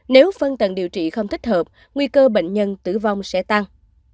nếu phân tầng điều trị không thích hợp nguy cơ bệnh nhân tử vong sẽ tăng